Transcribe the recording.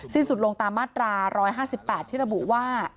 สุดลงตามมาตรา๑๕๘ที่ระบุว่า